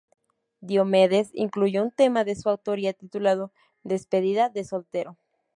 Diomedes incluyó un tema de su autoría titulado "Despedida de soltero".